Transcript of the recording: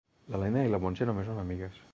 L'Elena i la Montse només són amigues.